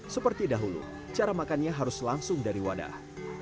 seperti dahulu cara makannya harus langsung dari wadah